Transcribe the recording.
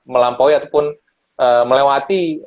melampaui ataupun melewati